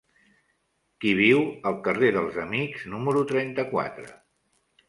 Qui viu al carrer dels Amics número trenta-quatre?